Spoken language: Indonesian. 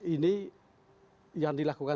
ini yang dilakukan